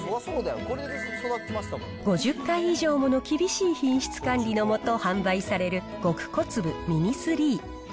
５０回以上もの厳しい品質管理の下販売される、極小粒ミニ３。